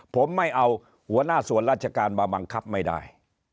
ผมไม่เอาหัวหน้าส่วนราชการมาบังคับไม่ได้